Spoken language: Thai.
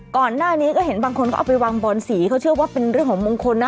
ก่อนหน้านี้ก็เห็นบางคนก็เอาไปวางบอนสีเขาเชื่อว่าเป็นเรื่องของมงคลนะ